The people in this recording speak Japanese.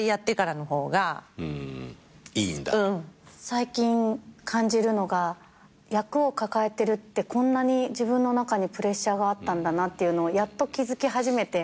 最近感じるのが役を抱えてるってこんなに自分の中にプレッシャーがあったんだなっていうのやっと気付き始めて。